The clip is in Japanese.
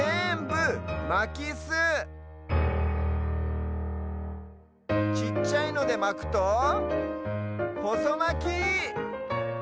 まきすちっちゃいのでまくとほそまき！